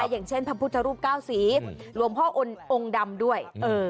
อย่างเช่นพระพุทธรูปเก้าสีหลวงพ่อองค์ดำด้วย